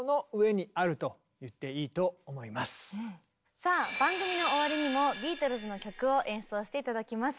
さあ番組の終わりにもビートルズの曲を演奏して頂きます。